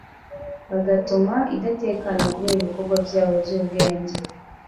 bagatuma idatekana kubera ibikorwa byabo by’ubwenge,